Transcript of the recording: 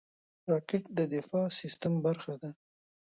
راکټ د دفاعي سیستم برخه ده